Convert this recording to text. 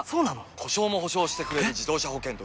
故障も補償してくれる自動車保険といえば？